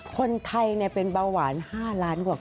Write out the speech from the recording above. คนไทยเป็นเบาหวาน๕ล้านกว่า